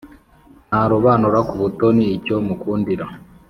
Ntarobanura kubutoni icyo mukundira